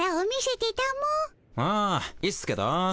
あいいっすけど。